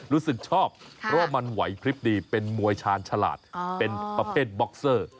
รู้สึกชอบเพราะว่ามันไหวพลิบดีเป็นมวยชาญฉลาดเป็นประเภทบ็อกเซอร์